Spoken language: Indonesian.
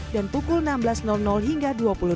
dan pukul enam belas hingga dua puluh